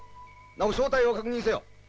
なお正体を確認せよ。